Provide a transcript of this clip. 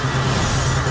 aku mau kesana